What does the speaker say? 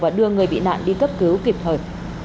và đưa người bị nạn đi cấp cứu kịp thời